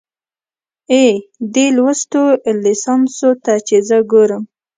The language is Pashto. اې، دې لوستو ليسانسو ته چې زه ګورم